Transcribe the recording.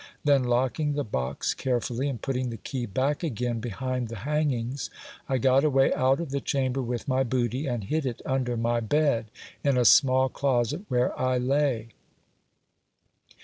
Then, locking the box carefully, and putting the key back again behind the hangings, I got away out of the chamber with my booty, and hid it under my bed, in a small closet where I lay.